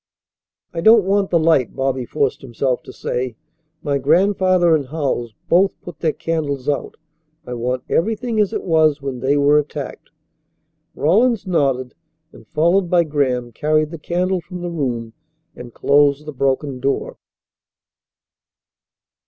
"I don't want the light," Bobby forced himself to say. "My grandfather and Howells both put their candles out. I want everything as it was when they were attacked." Rawlins nodded and, followed by Graham, carried the candle from the room and closed the broken door.